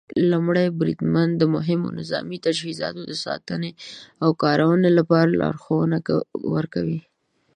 لومړی بریدمن د مهمو نظامي تجهیزاتو د ساتنې او کارولو لپاره لارښوونې ورکوي.